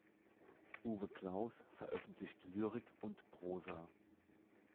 Uwe Claus veröffentlicht Lyrik und Prosa.